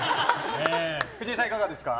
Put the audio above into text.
藤井さん、いかがですか。